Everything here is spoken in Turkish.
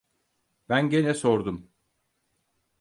Ben gene sordum: